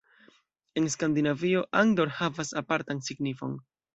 En Skandinavio Andor havas apartan signifon.